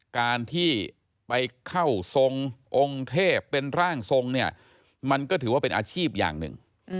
การที่ไปเข้าทรงองค์เทพเป็นร่างทรงเนี่ยมันก็ถือว่าเป็นอาชีพอย่างหนึ่ง